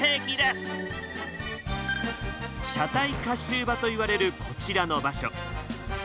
車体加修場といわれるこちらの場所。